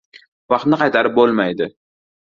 • Vaqtni qaytarib bo‘lmaydi.